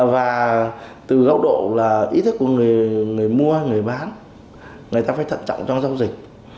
và từ góc độ là ý thức của người mua người bán người ta phải thận trọng trong giao dịch